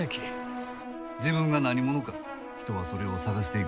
自分が何者か人はそれを探していく。